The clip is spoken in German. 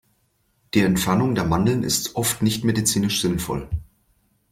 Die Entfernung der Mandeln ist oft nicht medizinisch sinnvoll.